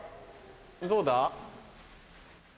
どうだ？